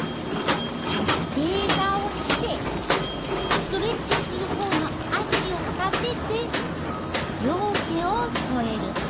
正座をしてストレッチする方の足を立てて両手を添える。